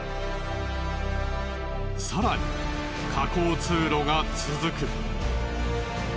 更に下降通路が続く。